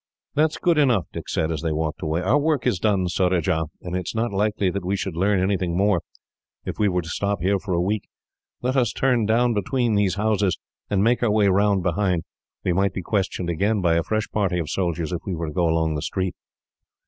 "That is good enough," Dick said, as they walked away. "Our work is done, Surajah, and it is not likely that we should learn anything more, if we were to stop here for a week. Let us turn down between these houses, and make our way round behind. We might be questioned again, by a fresh party of soldiers, if we were to go along the street."